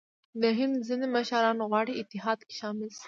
د هند ځیني مشران غواړي اتحاد کې شامل شي.